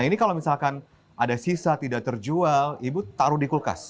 nah ini kalau misalkan ada sisa tidak terjual ibu taruh di kulkas